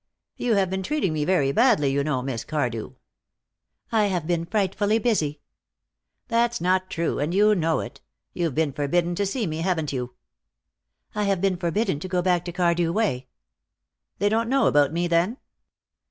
"You have been treating me very badly, you know, Miss Cardew." "I have been frightfully busy." "That's not true, and you know it. You've been forbidden to see me, haven't you?" "I have been forbidden to go back to Cardew Way." "They don't know about me, then?"